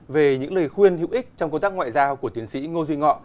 về những lời khuyên hữu ích trong công tác ngoại giao của tiến sĩ ngô duy ngọ